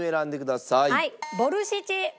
ボルシチ。